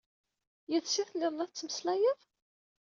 Yid-s i telliḍ la tettmeslayeḍ?